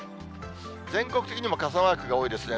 全国的にも傘マークが多いですね。